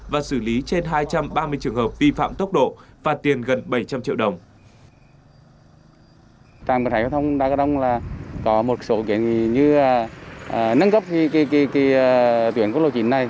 và xử lý trên hai trăm ba mươi trường hợp vi phạm tốc độ phạt tiền gần bảy trăm linh triệu đồng